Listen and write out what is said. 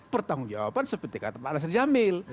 pertanggung jawaban seperti kata pak nasir jamil